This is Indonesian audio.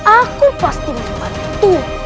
aku pasti membantu